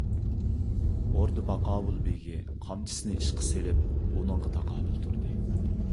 ئوردا باقاۋۇل بېگى قامچىسىنى ئىشقا سېلىپ ئۇنىڭغا تاقابىل تۇردى.